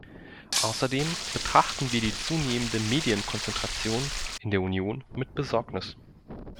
Außerdem betrachten wir die zunehmende Medienkonzentration in der Union mit Besorgnis.